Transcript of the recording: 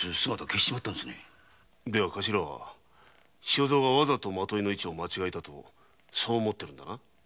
カシラは周蔵がわざと纏の位置を間違えたと思っているのだな？